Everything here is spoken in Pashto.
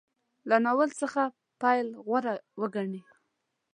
له ناول څخه پیل غوره وګڼي.